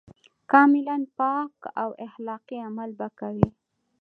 کاملاً پاک او اخلاقي عمل به کوي.